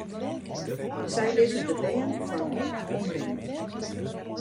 Sy litte de bern foar wyld omrinne.